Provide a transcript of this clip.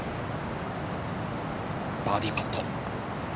バーディーパット。